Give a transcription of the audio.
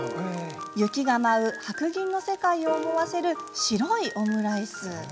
雪が舞う白銀の世界を思わせる白いオムライス。